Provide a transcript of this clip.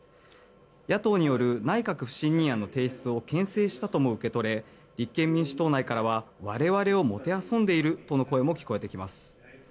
野党による内閣不信任案の提出をけん制したとも受け取れ立憲民主党内からは我々をもてあそんでいるとの声も聞こえてきます。